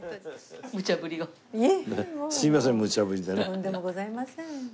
とんでもございません。